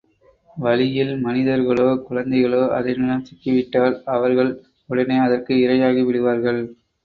வழியில் மனிதர்களோ குழந்தைகளோ அதனிட சிக்கிவிட்டால், அவர்கள் உடனே அதற்கு இரையாகிவிடுவார்கள்.